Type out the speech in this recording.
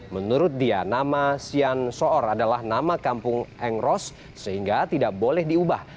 menurut dia nama sian soor adalah nama kampung engros sehingga tidak boleh diubah